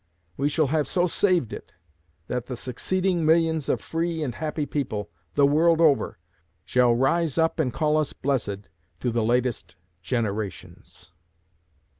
We shall have so saved it that the succeeding millions of free and happy people, the world over, shall rise up and call us blessed to the latest generations.